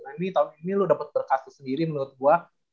nah ini tahun ini lu dapet berkah sendiri menurut gue